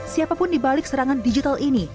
siapapun dibalik serangan digital ini